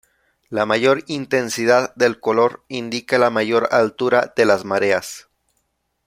La mayor intensidad del color indica la mayor altura de las mareas.